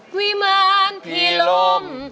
มีมานที่ล้ม